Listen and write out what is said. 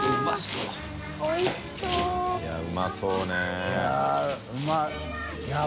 うまそう。